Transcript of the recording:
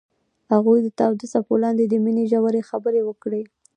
هغوی د تاوده څپو لاندې د مینې ژورې خبرې وکړې.